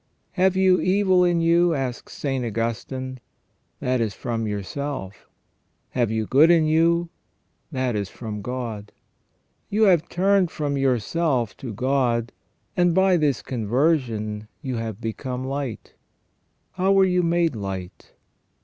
" Have you evil in you ?" asks St. Augustine. " That is from yourself. Have you good in you ? That is from God. You have turned from yourself to God, and by this conversion you have become light. How were you made light